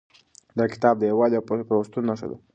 دا کتاب د یووالي او پیوستون نښه ده.